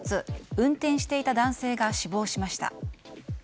運転していた男性が死亡しました。